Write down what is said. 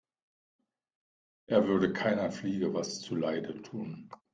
Er würde keiner Fliege was zu Leide tun.